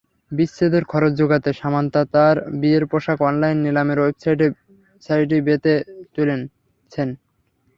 বিচ্ছেদের খরচ জোগাতে সামান্থা তাঁর বিয়ের পোশাক অনলাইন নিলামের ওয়েবসাইট ই-বেতে তুলেছেন।